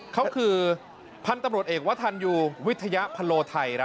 เขาคือพันธุ์ตำรวจเอกวัฒนยูวิทยาพะโลไทย